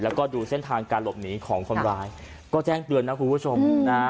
แล้วก็ดูเส้นทางการหลบหนีของคนร้ายก็แจ้งเตือนนะคุณผู้ชมนะฮะ